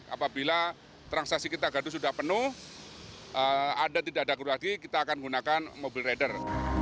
apabila transaksi kita gardu sudah penuh ada tidak ada gerbagi kita akan menggunakan mobil rider